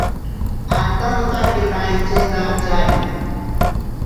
Antaro tanaatake ichera charine.